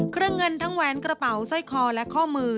เครื่องเงินทั้งแหวนกระเป๋าสร้อยคอและข้อมือ